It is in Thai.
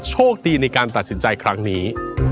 โชคดีในการตัดสินใจครั้งนี้